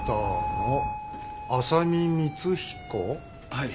はい。